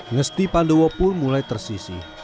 ngesti pandowo pun mulai tersisih